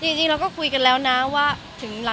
มีปิดฟงปิดไฟแล้วถือเค้กขึ้นมา